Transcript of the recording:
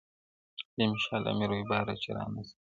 بې مشاله مي رویباره چي رانه سې-